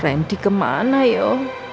randy kemana yuk